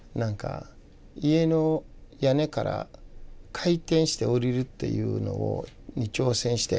家の屋根から回転して下りるっていうのに挑戦して。